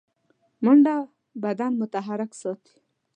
منډه بدن متحرک ساتي